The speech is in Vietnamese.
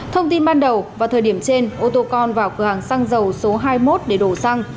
thông tin ban đầu vào thời điểm trên ô tô con vào cửa hàng xăng dầu số hai mươi một để đổ xăng